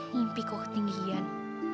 mimpi kau ketinggian